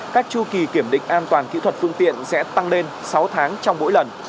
các chu kỳ kiểm định an toàn kỹ thuật phương tiện sẽ tăng lên sáu tháng trong mỗi lần